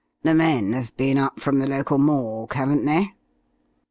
The men have been up from the local morgue, haven't they?"